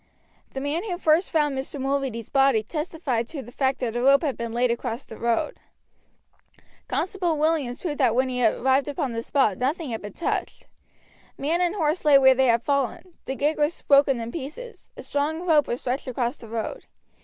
The man who first found Mr. Mulready's body testified to the fact that a rope had been laid across the road. Constable Williams proved that when he arrived upon the spot nothing had been touched. Man and horse lay where they had fallen, the gig was broken in pieces, a strong rope was stretched across the road.